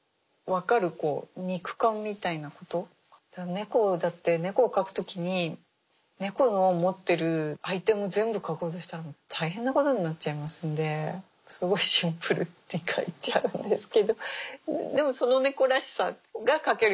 猫だって猫を描く時に猫の持ってるアイテム全部描こうとしたらもう大変なことになっちゃいますんですごいシンプルに描いちゃうんですけどでもその猫らしさが描けるように。